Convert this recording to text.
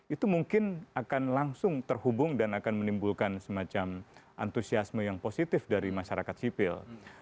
itu mungkin akan langsung terhubung dan akan menimbulkan semacam antusiasme yang positif dari masyarakat sipil